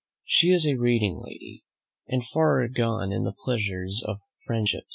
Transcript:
She is a reading lady, and far gone in the pleasures of friendship.